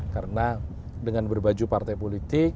karena dengan berbaju partai politik